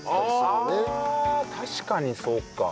ああ確かにそうか。